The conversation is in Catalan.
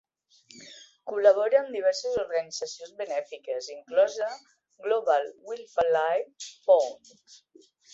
Col·labora amb diverses organitzacions benèfiques, inclosa Global Wildlife Fund.